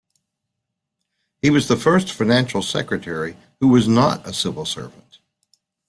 He was the first Financial Secretary who was not a civil servant.